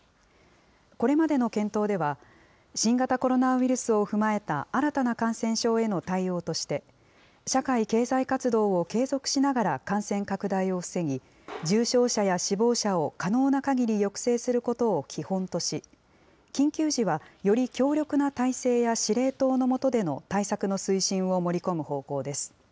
これまでの検討では、新型コロナウイルスを踏まえた新たな感染症への対応として、社会経済活動を継続しながら感染拡大を防ぎ、重症者や死亡者を可能なかぎり抑制することを基本とし、緊急時はより強力な体制や司令塔の下での対策の推進を盛り込む方向です。